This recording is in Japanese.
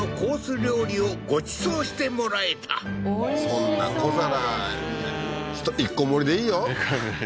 料理をご馳走してもらえたそんな小皿一個盛りでいいよ